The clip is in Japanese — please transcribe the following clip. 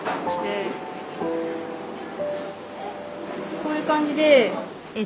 こういう感じで。